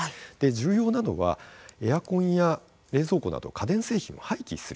重要なのはエアコンや冷蔵庫など家電製品を廃棄する時ですね。